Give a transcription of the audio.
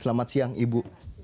selamat siang ibu